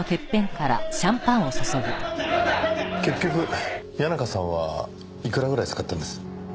結局谷中さんはいくらぐらい使ったんです？